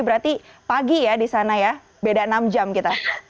berarti pagi ya di sana ya beda enam jam kita